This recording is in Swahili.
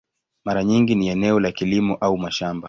Mara nyingi ni eneo la kilimo au mashamba.